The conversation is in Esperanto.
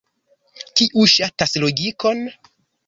kiu ŝatas logikon